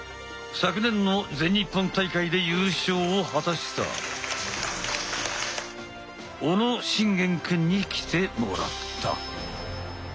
昨年の全日本大会で優勝を果たした小野心源くんに来てもらった。